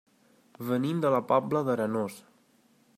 Venim de la Pobla d'Arenós.